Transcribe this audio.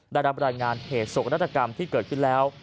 ได้รับรายงานเหตุศกนาฏกรรมที่เกิดขึ้นแล้ว